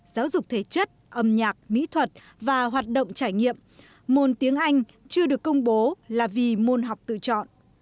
giáo dục thể chất âm nhạc mỹ thuật và hoạt động trải nghiệm môn tiếng anh chưa được công bố là vì môn học tự chọn